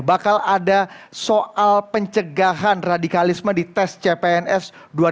bakal ada soal pencegahan radikalisme di tes cpns dua ribu dua puluh